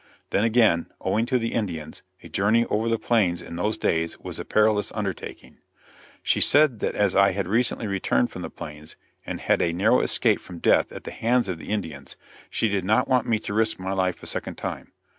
Then again, owing to the Indians, a journey over the plains in those days was a perilous undertaking. She said that as I had recently returned from the plains, and had had a narrow escape from death at the hands of the Indians, she did not want me to risk my life a second time.